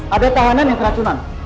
ada tahanan yang keracunan